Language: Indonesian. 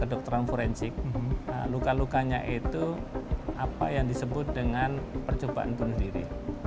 kedokteran forensik luka lukanya itu apa yang disebut dengan percobaan bunuh diri